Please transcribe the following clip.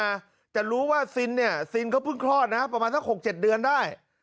แต่รู้ว่าซินเนี่ยซินก็เพิ่งคลอดนะครับประมาณทั้ง๖๗เดือนได้